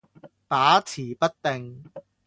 把持不定